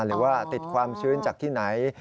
หรือว่าติดความชื้นจากที่ไหน